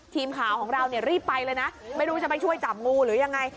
ทีมข่าวของเราเนี่ยรีบไปเลยนะไม่รู้จะไปช่วยจับงูหรือยังไง